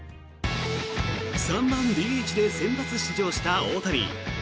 ３番ＤＨで先発出場した大谷。